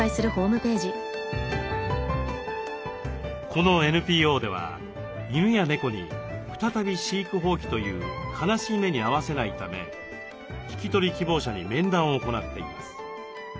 このＮＰＯでは犬や猫に再び飼育放棄という悲しい目に遭わせないため引き取り希望者に面談を行っています。